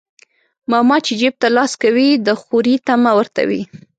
ماما چى جيب ته لاس کوى د خورى طعمه ورته وى.